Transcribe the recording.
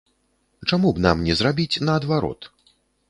Чаму б нам не зрабіць наадварот?